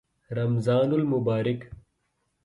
رمضان المبارک